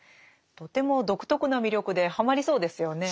とても独特な魅力ではまりそうですよね。